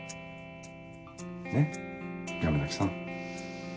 ねっ山崎さん。